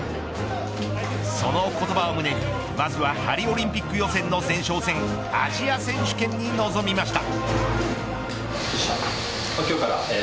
その言葉を胸にまずはパリオリンピック予選の前哨戦アジア選手権に臨みました。